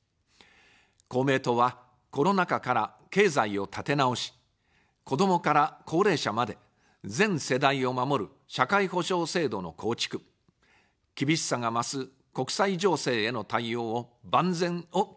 公明党は、コロナ禍から、経済を立て直し、子どもから高齢者まで、全世代を守る社会保障制度の構築、厳しさが増す国際情勢への対応を、万全を期します。